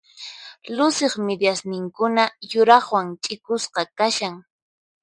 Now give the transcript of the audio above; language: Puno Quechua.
Luciq midiasninkuna yuraqwan ch'ikusqa kashan.